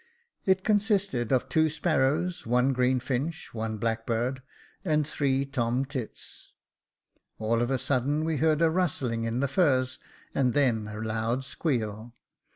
It consisted of two sparrows, one greenfinch, one blackbird, and three tomtits. All of a sudden we heard a rustling in the furze, and then a loud squeal.